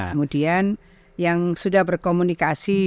kemudian yang sudah berkomunikasi